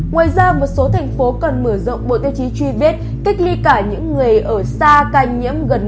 ngoài ra một số thành phố còn mở rộng bộ tiêu chí truy vết cách ly cả những người ở xa ca nhiễm gần